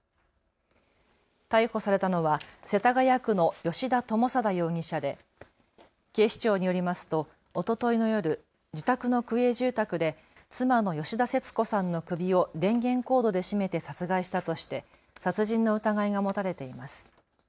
逮捕されたのは世田谷区の吉田友貞容疑者で警視庁によりますとおとといの夜、自宅の区営住宅で妻の吉田節子さんの首を電源コードで絞めて殺害したとして殺人の疑いが持たれています。